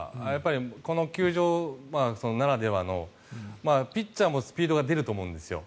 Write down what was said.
この球場ならではのピッチャーもスピードが出ると思うんですよ。